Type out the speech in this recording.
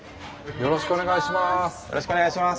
よろしくお願いします。